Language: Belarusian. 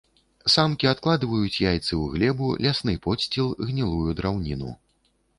Самкі адкладваюць яйцы ў глебу, лясны подсціл, гнілую драўніну.